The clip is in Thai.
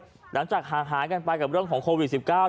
หลังจากห่างหายกันไปกับเรื่องของโควิด๑๙